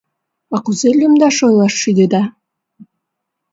— А кузе лӱмдаш-ойлаш шӱдеда?